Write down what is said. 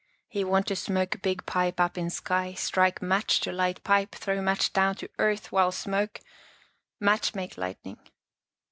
He want to smoke big pipe up in sky, strike match to light pipe, throw match down to earth, while smoke — match make lightning."